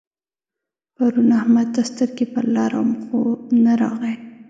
پرون احمد ته سترګې پر لار وم خو نه راغی.